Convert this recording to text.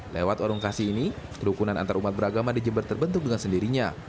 lewat orang kasih ini kerukunan antarumat beragama di jember terbentuk dengan sendirinya